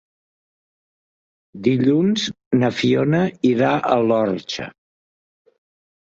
Dilluns na Fiona irà a l'Orxa.